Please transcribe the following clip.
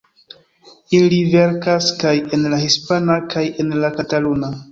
Ili verkas kaj en la hispana kaj en la kataluna.